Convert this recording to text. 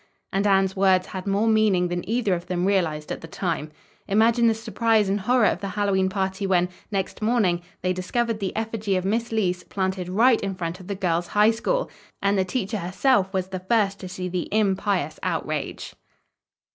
And Anne's words had more meaning than either of them realized at the time. Imagine the surprise and horror of the Hallowe'en party when, next morning, they discovered the effigy of Miss Leece planted right in front of the Girls' High School! And the teacher herself was the first to see the impious outrage.